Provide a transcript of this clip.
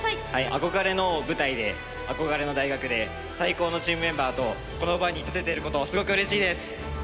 憧れの舞台で憧れの大学で最高のチームメンバーとこの場に立ててることをすごくうれしいです！